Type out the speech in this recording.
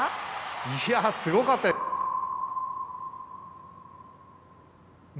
いやすごかった。